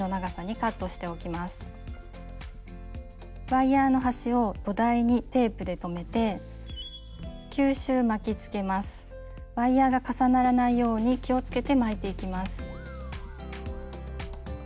ワイヤーの端を土台にテープで留めてワイヤーが重ならないように気をつけて巻いていきます。